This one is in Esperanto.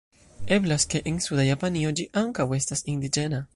Eblas ke en suda Japanio ĝi ankaŭ estas indiĝena.